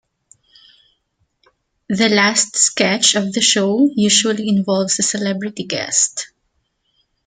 The last sketch of the show usually involves a celebrity guest.